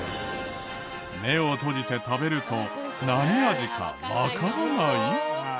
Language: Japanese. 目を閉じて食べると何味かわからない！？